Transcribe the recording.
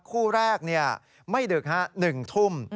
คู่แรกเนี่ยไม่ดึกฮะ๑ทุ่ม